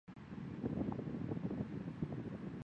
被幕府收回领地。